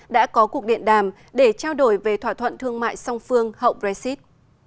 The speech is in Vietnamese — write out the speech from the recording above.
đã có cuộc điện đàm để trao đổi về thỏa thuận thương mại song phương hậu brexit